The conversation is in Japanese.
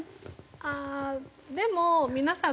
ああでも皆さん